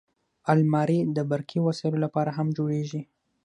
الماري د برقي وسایلو لپاره هم جوړیږي